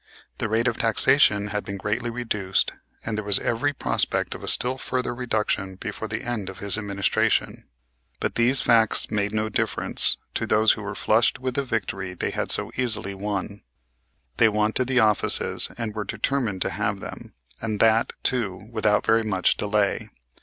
The rate of taxation had been greatly reduced, and there was every prospect of a still further reduction before the end of his administration. But these facts made no difference to those who were flushed with the victory they had so easily won. They wanted the offices, and were determined to have them, and that, too, without very much delay.